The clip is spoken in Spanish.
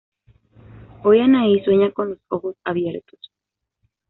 Hoy Anahí sueña con los ojos abiertos.